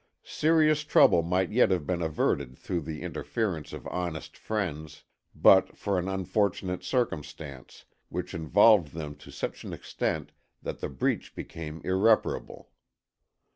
Serious trouble might yet have been averted through the interference of honest friends but for an unfortunate circumstance, which involved them to such an extent that the breach became irreparable.